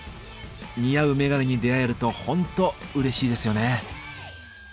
似合うメガネに出会えるとホントうれしいですよね。